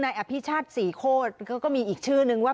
นายอภิชาธิ์สี่โคตรก็มีอีกชื่อนึงว่า